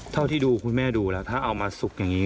เท่าที่ดูคุณแม่ดูแล้วถ้าเอามาสุกอย่างนี้